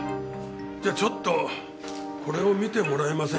じゃちょっとこれを見てもらえませんかね？